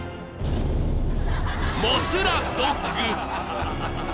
［モスラドッグ］